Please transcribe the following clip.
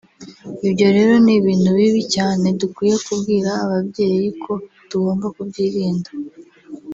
Ibyo rero ni ibintu bibi cyane dukwiye kubwira ababyeyi ko tugomba kubyirinda